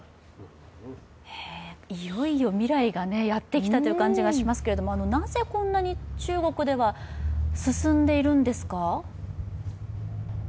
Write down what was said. いよいよ未来がやってきたという感じがしますけれどもなぜ、こんなに中国では進んでいるんですか？